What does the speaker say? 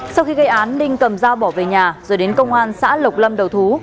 sau khi gây án ninh cầm dao bỏ về nhà rồi đến công an xã lộc lâm đầu thú